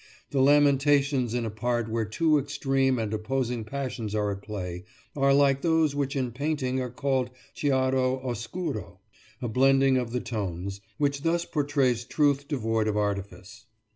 The lamentations in a part where two extreme and opposing passions are at play, are like those which in painting are called "chiaro oscuro," a blending of the tones, which thus portrays truth devoid of artifice.